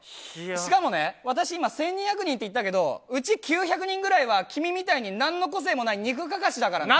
しかもね、私、今１２００人って言ったけどうち９００人ぐらいは君みたいに何の個性もない肉カカシだからね。